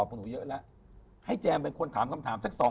พวกหนูก็เป็นคนผ่อนกันเอง